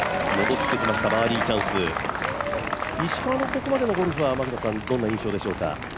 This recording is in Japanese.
石川のここまでのゴルフはどんな印象でしょうか？